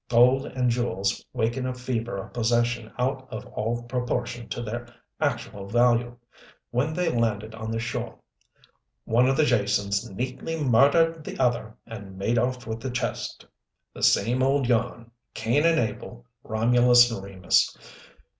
Gold and jewels waken a fever of possession out of all proportion to their actual value. When they landed on the shore one of the Jasons neatly murdered the other and made off with the chest. "The same old yarn Cain and Abel, Romulus and Remus.